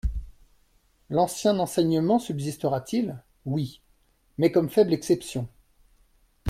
«L'ancien enseignement subsistera-t-il ?» Oui, mais comme faible exception.